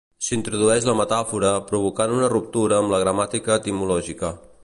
S'introdueix la metàfora, provocant una ruptura amb la gramàtica etimològica.